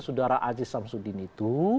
sudara aziz sabsudin itu